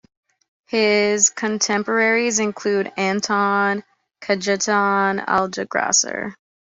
His contemporaries included Anton Cajetan Adlgasser.